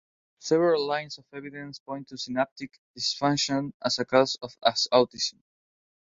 Several lines of evidence point to synaptic dysfunction as a cause of autism.